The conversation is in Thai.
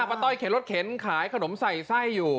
ต้อยเข็นรถเข็นขายขนมใส่ไส้อยู่